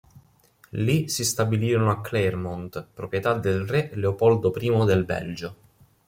Lì si stabilirono a Claremont, proprietà del re Leopoldo I del Belgio.